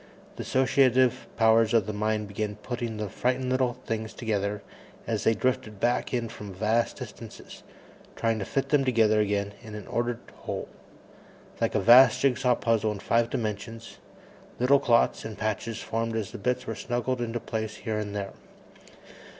The associative powers of the mind began putting the frightened little things together as they drifted back in from vast distances, trying to fit them together again in an ordered whole. Like a vast jigsaw puzzle in five dimensions, little clots and patches formed as the bits were snuggled into place here and there.